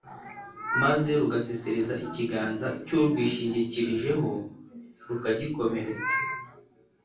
maze rugasesereza ikiganza cy’urwishingikirijeho rukagikomeretsa.